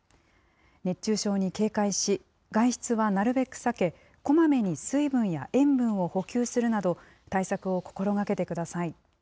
熱中症に警戒し、外出はなるべく避け、こまめに水分や塩分を補給するなど、対策を心がけてください。